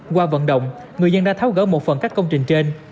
qua vận động người dân đã tháo gỡ một phần các công trình trên